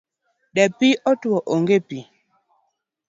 Dapi otuo onge pi .